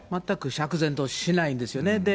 全く釈然としないですよね。